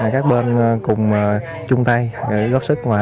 các bên cùng chung tay góp sức